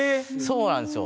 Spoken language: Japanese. そうなんですよ。